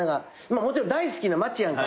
もちろん大好きな町やんか。